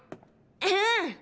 うん。